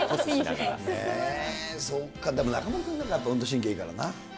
そっか、でも中丸君なんかは運動神経いいからな。